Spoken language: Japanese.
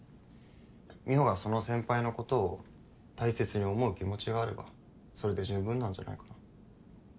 美帆がその先輩のことを大切に思う気持ちがあればそれで十分なんじゃないかな。